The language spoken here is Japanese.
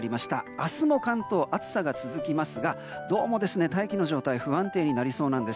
明日も関東は暑さが続きますがどうも大気の状態が不安定になりそうです。